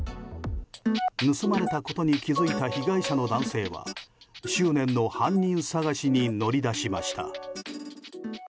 盗まれたことに気づいた被害者の男性は執念の犯人探しに乗り出しました。